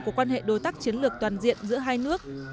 của quan hệ đối tác chiến lược toàn diện giữa hai nước